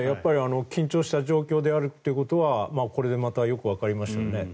緊張した状況であるということはこれでまたよくわかりましたよね。